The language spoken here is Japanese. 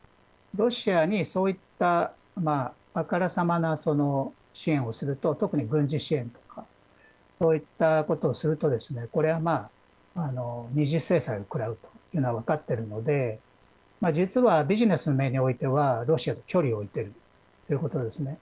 ロシアにそういったあからさまな、その支援をすると特に軍事支援とかこういったことをするとですねこれは二次制裁を食らうというのは分かってるので実は、ビジネスの面においてはロシアと距離を置いているということですね。